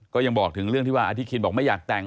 ก็ยังบอกถึงเรื่องที่ว่าอธิคินบอกไม่อยากแต่ง